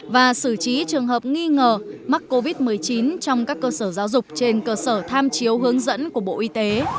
và xử trí trường hợp nghi ngờ mắc covid một mươi chín trong các cơ sở giáo dục trên cơ sở tham chiếu hướng dẫn của bộ y tế